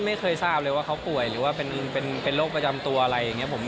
ไม่เคยทราบเลยว่าเขาป่วยหรือว่าเป็นโรคประจำตัวอะไรอย่างนี้